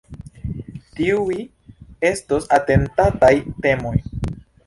Tiuj estos atentataj temoj.